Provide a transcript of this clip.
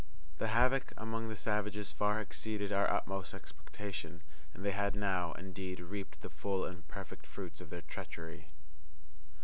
The havoc among the savages far exceeded our utmost expectation, and they had now, indeed, reaped the full and perfect fruits of their treachery.